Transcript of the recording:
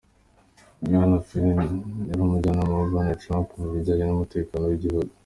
Bwana Flynn yari umujyanama wa Bwana Trump mu bijyanye n'umutekano w'igihugu.